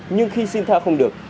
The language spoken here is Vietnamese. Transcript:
nhưng khi xin tha không được